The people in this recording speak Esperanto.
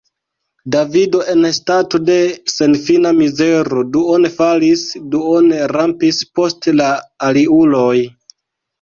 Davido en stato de senfina mizero duone falis, duone rampis post la aliuloj.